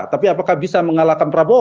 tapi apakah bisa mengalahkan prabowo